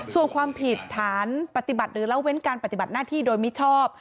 ส่วนความผิดฐานปฏิบัติหรือเล่าเว้นการปฏิบัติหน้าที่โดยมิชอบ